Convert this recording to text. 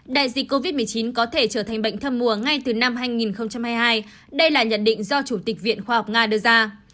đại dịch covid một mươi chín có thể trở thành bệnh thâm mùa ngay từ năm hai nghìn hai mươi hai đây là nhận định do chủ tịch viện khoa học nga đưa ra